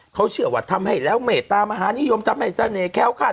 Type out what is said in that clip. เขาเชื่อว่าทำให้แล้วเมตตามหานิยมทำให้เสน่ห้วคาด